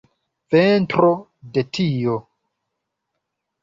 Ventro de tio!